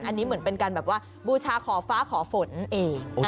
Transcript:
อันนี้เหมือนเป็นการแบบว่าบูชาขอฟ้าขอฝนเอง